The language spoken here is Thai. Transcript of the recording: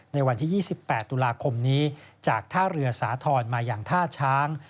ในวันที่๒๘ตุลาคมนี้จากท่าเรือสาธรณ์มาอย่างท่าช้าง